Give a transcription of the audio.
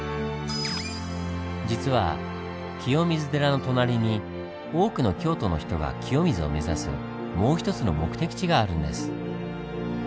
実は清水寺の隣に多くの京都の人が清水を目指すもう１つの目的地があるんです。